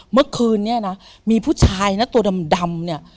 เมื่อคืนนี้นะมีผู้ชายนะตัวดำเนี่ย